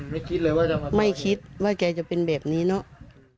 คิดเลยว่าจะไม่คิดว่าแกจะเป็นแบบนี้เนาะ